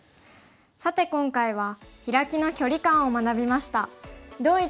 さて今回はヒラキの距離感を学びました。